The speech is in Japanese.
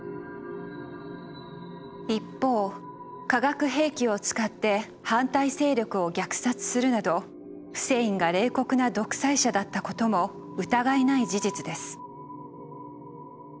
一方化学兵器を使って反対勢力を虐殺するなどフセインが冷酷な独裁者だった事も疑いない事実です。